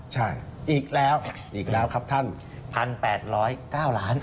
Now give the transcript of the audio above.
ใช่อีกแล้วอีกแล้วครับท่านพันแปดร้อยเก้าล้าน